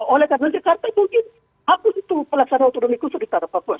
oleh karena jakarta mungkin habis itu pelaksanaan otonomi khusus di tanah papua